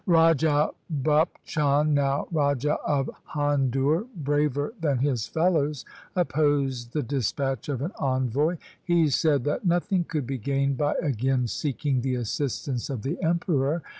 Raja Bhup Chand, now Raja of Handur, braver than his fellows, opposed the dispatch of an envoy. He said that nothing could be gained by again seeking the assistance of the Emperor.